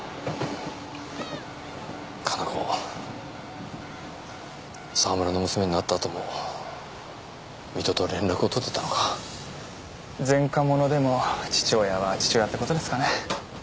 加奈子沢村の娘になったあとも水戸と連絡を取ってたのか前科者でも父親は父親ってことですかね